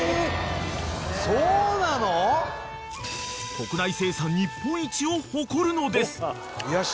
［国内生産日本一を誇るのです］